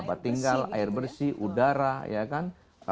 tempat tinggal air bersih udara ya kan